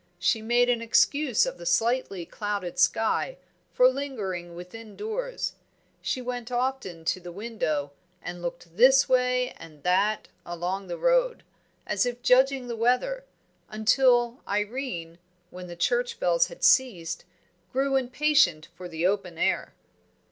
She made an excuse of the slightly clouded sky for lingering within doors; she went often to the window and looked this way and that along the road, as if judging the weather, until Irene, when the church bells had ceased, grew impatient for the open air.